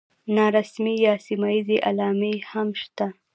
نارسمي یا سیمه ییزې علامې هم شته دي.